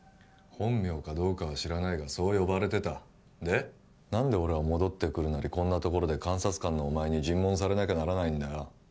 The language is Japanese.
本名かどうかは知らないがそう呼ばれてたで何で俺は戻ってくるなりこんなところで監察官のお前に尋問されなきゃならないんだよ